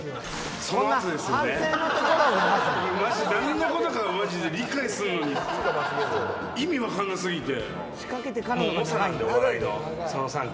何のことか理解するのに意味分からなすぎて。